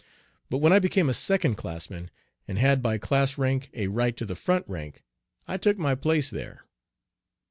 But when I became a second classman, and had by class rank a right to the front rank, I took my place there.